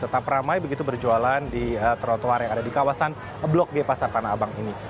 tetap ramai begitu berjualan di trotoar yang ada di kawasan blok g pasar tanah abang ini